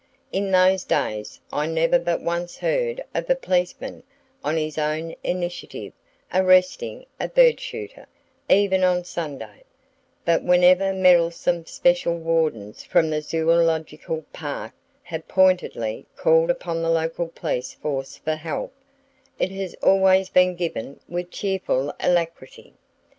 In those days I never but once heard of a policeman on his own initiative arresting a birdshooter, even on Sunday; but whenever meddlesome special wardens from the Zoological Park have pointedly called upon the local police force for help, it has always been given with cheerful alacrity.